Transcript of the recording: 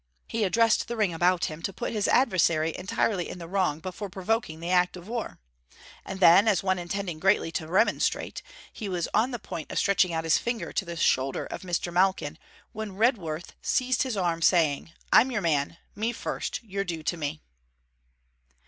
he addressed the ring about him, to put his adversary entirely in the wrong before provoking the act of war. And then, as one intending gently to remonstrate, he was on the point of stretching out his finger to the shoulder of Mr. Malkin, when Redworth seized his arm, saying: 'I 'm your man: me first: you're due to me.'